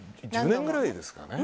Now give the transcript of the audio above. １０年くらいですかね